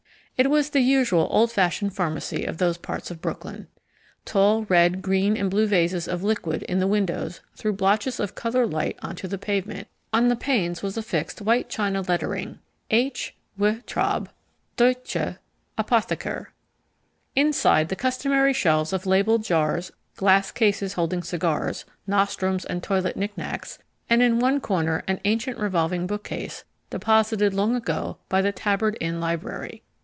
It was the usual old fashioned pharmacy of those parts of Brooklyn: tall red, green, and blue vases of liquid in the windows threw blotches of coloured light onto the pavement; on the panes was affixed white china lettering: H. WE TRAUB, DEUT CHE APOTHEKER. Inside, the customary shelves of labelled jars, glass cases holding cigars, nostrums and toilet knick knacks, and in one corner an ancient revolving bookcase deposited long ago by the Tabard Inn Library.